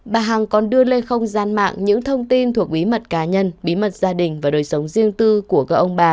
bà hằng còn đưa lên không gian mạng những thông tin thuộc bí mật cá nhân bí mật gia đình và đời sống riêng tư của các ông bà